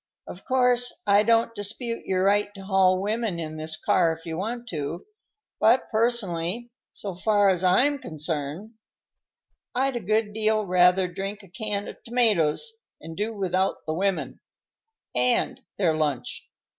"Of course, I don't dispute your right to haul women in this car if you want to; but personally, so far as I'm concerned, I'd a good deal rather drink a can of tomatoes and do without the women and their lunch.